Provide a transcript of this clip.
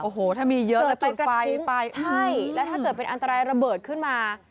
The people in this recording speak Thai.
โอ้โฮถ้ามีเยอะจะจุดไฟไป